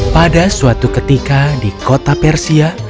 pada suatu ketika di kota persia